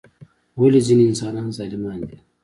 ولی ځینی انسانان ظالمان دي؟